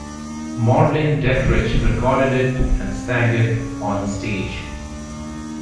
Marlene Dietrich recorded it and sang it on stage.